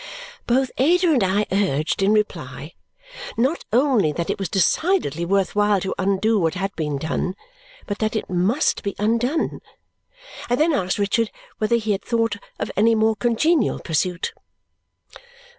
Both Ada and I urged, in reply, not only that it was decidedly worth while to undo what had been done, but that it must be undone. I then asked Richard whether he had thought of any more congenial pursuit.